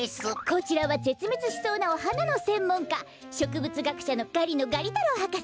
こちらはぜつめつしそうなおはなのせんもんかしょくぶつがくしゃのガリノガリたろうはかせ。